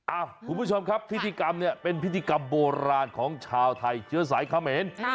คุณผู้ชมครับพิธีกรรมเนี่ยเป็นพิธีกรรมโบราณของชาวไทยเชื้อสายเขมร